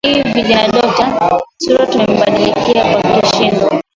i vijana dokta sira tumemkubali kwakishindo